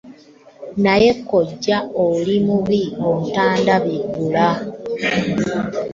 Naye kkojja oli mubi obutandabula!